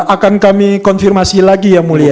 akan kami konfirmasi lagi ya mulia